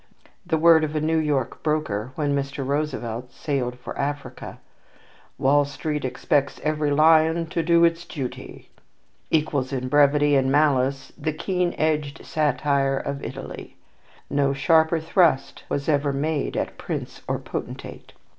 The word of a New York broker, when Mr. Roosevelt sailed for Africa, "Wall Street expects every lion to do its duty!" equals in brevity and malice the keen edged satire of Italy. No sharper thrust was ever made at prince or potentate.